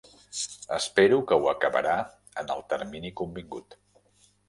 Espero que ho acabarà en el termini convingut.